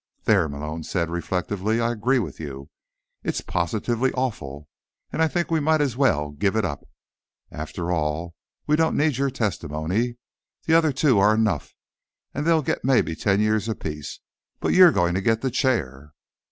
"There," Malone said reflectively, "I agree with you. It's positively awful. And I think we might as well give it up. After all, we don't need your testimony. The other two are enough; they'll get maybe ten years apiece, but you're going to get the chair."